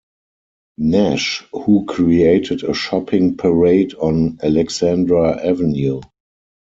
Nash, who created a shopping parade on Alexandra Avenue.